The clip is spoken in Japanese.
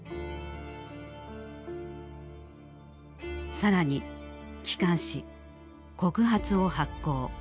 更に機関紙「告発」を発行。